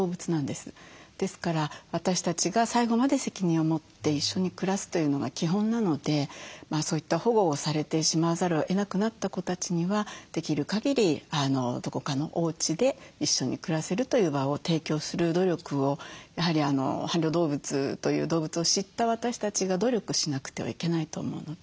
ですから私たちが最後まで責任を持って一緒に暮らすというのが基本なのでそういった保護をされてしまわざるをえなくなった子たちにはできるかぎりどこかのおうちで一緒に暮らせるという場を提供する努力をやはり「伴侶動物」という動物を知った私たちが努力しなくてはいけないと思うので。